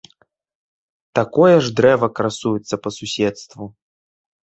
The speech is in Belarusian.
Такое ж дрэва красуецца па суседству.